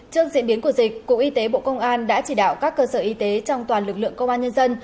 trước diễn biến của dịch cụ y tế bộ công an đã chỉ đạo các cơ sở y tế trong toàn lực lượng công an nhân dân